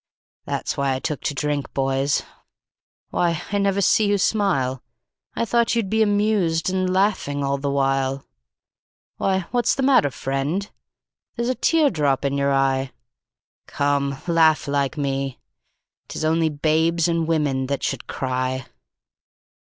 "That's why I took to drink, boys. Why, I never see you smile, I thought you'd be amused, and laughing all the while. Why, what's the matter, friend? There's a tear drop in you eye, Come, laugh like me. 'Tis only babes and women that should cry.